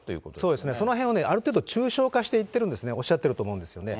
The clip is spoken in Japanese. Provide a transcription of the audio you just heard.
そうですね、そのへんをね、ある程度抽象化していってるんですね、おっしゃってると思うんですよね。